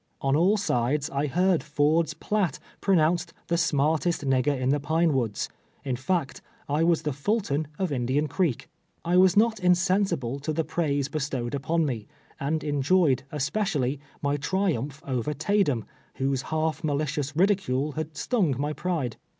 On all sides I heard Ford's Piatt pronounced the " smartest nigger in the Pine Woods" •— in fact I was the Fulton of Indian Creek. I was not insen sible to the praise bestowed upon me, and enjoyed, especially, my triumph over Taydem, whose half malicious ridicule had stung my j^ride.